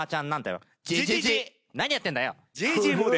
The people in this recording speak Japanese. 何やってんだよ？